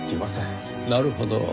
なるほど。